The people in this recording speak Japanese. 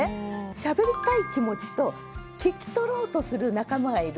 しゃべりたい気持ちと聞き取ろうとする仲間がいる。